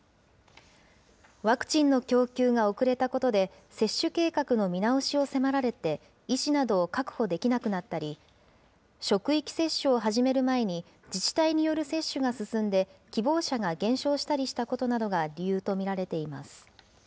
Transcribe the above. ワクチンの供給が遅れたことで、接種計画の見直しを迫られて、医師などを確保できなくなったり、職域接種を始める前に、自治体による接種が進んで、希望者が減少したりしたことなどが理由と見られています。